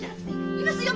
いますよ！